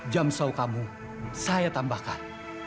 jam sau kamu saya tambahkan